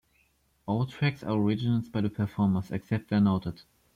All tracks are originals by the performers, except where noted.